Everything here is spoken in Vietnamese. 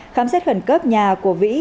khám xét khẩn cấp nhà của vĩ